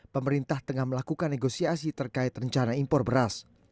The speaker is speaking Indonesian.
pemerintah tengah melakukan negosiasi terkait rencanaan